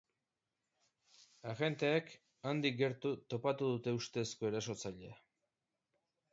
Agenteek handik gertu topatu dute ustezko erasotzailea.